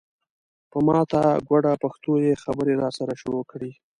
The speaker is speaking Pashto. په ماته ګوډه پښتو یې خبرې راسره شروع کړې.